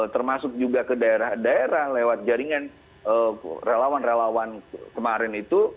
termasuk juga ke daerah daerah lewat jaringan relawan relawan kemarin itu